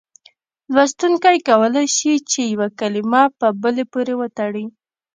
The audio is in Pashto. لوستونکی کولای شي چې یوه کلمه په بلې پورې وتړي.